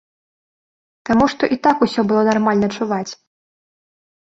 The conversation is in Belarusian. Таму што і так усё было нармальна чуваць.